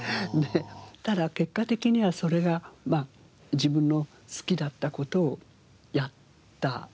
ただ結果的にはそれが自分の好きだった事をやった事ですもんね。